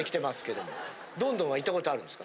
どんどんは行ったことあるんですか？